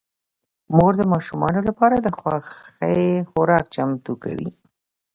مور د ماشومانو لپاره د خوښې خوراک چمتو کوي